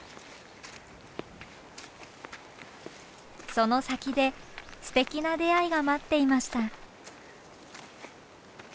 その先ですてきな出会いが待っていました。